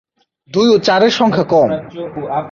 দুই ও চারের সংখ্যা কম।